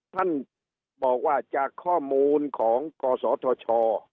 ท่านบอกว่าจากข้อมูลของกศธช